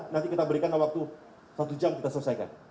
nanti kita berikan waktu satu jam kita selesaikan